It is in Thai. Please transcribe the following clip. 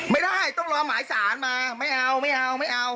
ไม่ได้ต้องรอหมายสารมาไม่เอา